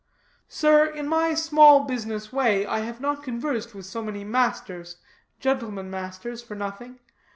"Sir, in my small business way, I have not conversed with so many masters, gentlemen masters, for nothing.